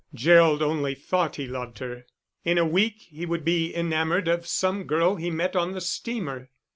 Gerald only thought he loved her, in a week he would be enamoured of some girl he met on the steamer.